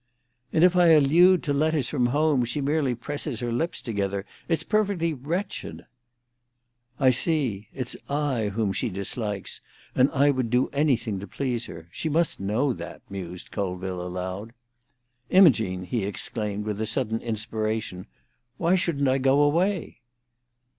"And if I allude to letters from home, she merely presses her lips together. It's perfectly wretched." "I see. It's I whom she dislikes, and I would do anything to please her. She must know that," mused Colville aloud. "Imogene!" he exclaimed, with a sudden inspiration. "Why shouldn't I go away?"